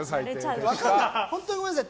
本当にごめんなさい。